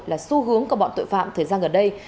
là xu hướng của bọn tội phạm thời gian gần đây